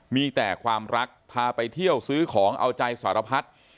มีแต่ความรักพาไปเที่ยวซื้อของเอาใจสารพัฒน์